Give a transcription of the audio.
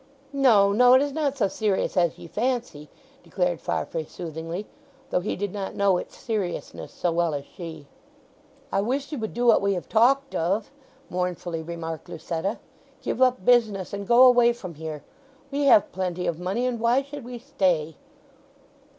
"No, no—it is not so serious as ye fancy," declared Farfrae soothingly; though he did not know its seriousness so well as she. "I wish you would do what we have talked of," mournfully remarked Lucetta. "Give up business, and go away from here. We have plenty of money, and why should we stay?"